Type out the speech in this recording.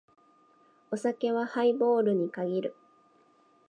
お酒はハイボールに限る。